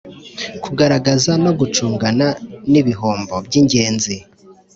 kugaragaza no gucungana n ibihombo by ingenzi